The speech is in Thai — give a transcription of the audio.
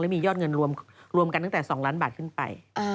มียอดเงินรวมกันตั้งแต่๒ล้านบาทขึ้นไป